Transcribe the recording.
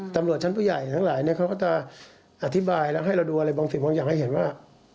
ตำรวจชั้นผู้ใหญ่ทั้งหลายเขาก็จะอธิบายแล้วให้เราดูอะไรบางสิ่งผมอยากให้เห็นว่า